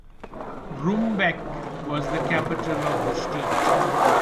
Rumbek was the capital of the state.